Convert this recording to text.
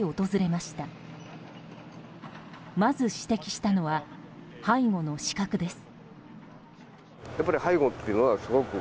まず指摘したのは背後の死角です。